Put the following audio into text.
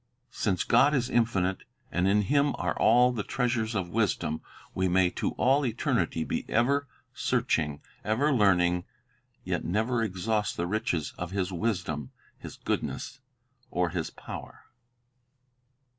Since God is infinite, and in Him are all the treasures of wisdom, we may to all eternity be ever searching, ever learning, yet never exhaust the riches of His wisdom, His goodness, or His power.